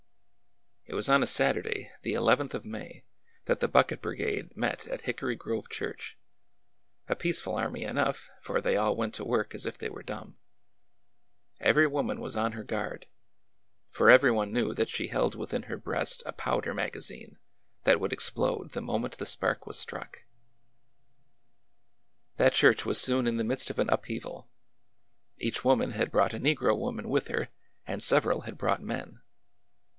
It was on a Saturday, the eleventh of May, that the bucket brigade met at Hickory Grove church,— a peace ful army enough, for they all went to work as if they were dumb. Every woman was on her guard ; for every A WORKING HIVE 177 one knew that she held within her breast a powder magazine that would explode the moment the spark was struck. That church was soon in the midst of an upheaval. Each woman had brought a negro woman with her, and several had brought men.